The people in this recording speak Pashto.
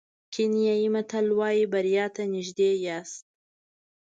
کینیايي متل وایي بریا ته نژدې یاست.